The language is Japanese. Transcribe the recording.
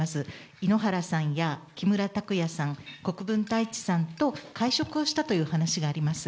井ノ原さんや木村拓哉さん、国分太一さんと会食をしたという話があります。